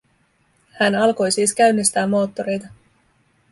Hän alkoi siis käynnistää moottoreita.